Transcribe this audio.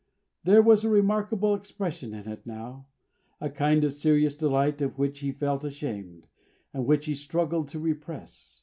There was a remarkable expression in it now; a kind of serious delight of which he felt ashamed, and which he struggled to repress.